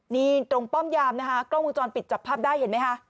นี่ตรงป้อมยามนะคะกล้องวงจรปิดจับภาพได้เห็นไหมคะ